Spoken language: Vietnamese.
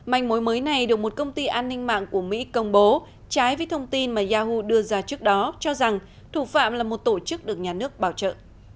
manh mối mới này được một công ty an ninh mạng của mỹ công bố trái với thông tin mà yahu đưa ra trước đó cho rằng thủ phạm là một tổ chức được nhà nước bảo trợ